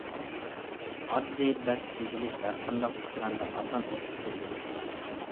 ئاددىي بەت تىزىلىش ھەرقانداق ئېكراندا ئاسان ئوقۇشقا بولىدۇ.